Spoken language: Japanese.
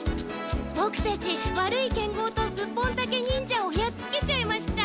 ボクたち悪い剣豪とスッポンタケ忍者をやっつけちゃいました。